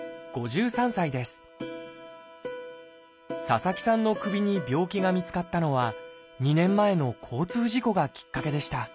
佐々木さんの首に病気が見つかったのは２年前の交通事故がきっかけでした。